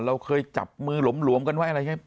เราเคยจับมือหลวมกันไว้ไง